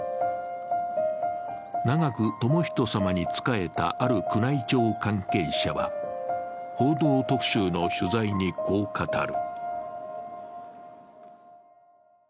長く寛仁さまに仕えたある宮内庁関係者は「報道特集」の取材に、こう語る。